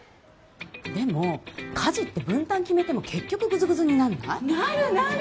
でも家事って分担決めても結局グズグズになんない？なるなる